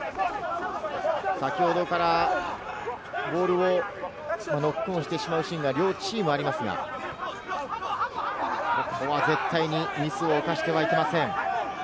先ほどからボールをノックオンしてしまうシーンが両チームありますが、ここは絶対にミスを犯してはいけません。